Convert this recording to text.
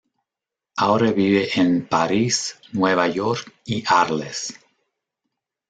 Ahora vive en París, Nueva York y Arles.